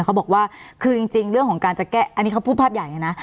เขาบอกว่าคือจริงเรื่องของการจะแก้อันนี้เขาพูดภาพใหญ่เลยนะ